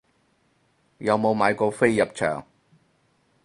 有冇買過飛入場